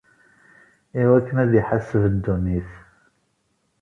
Iwakken ad iḥaseb ddunit.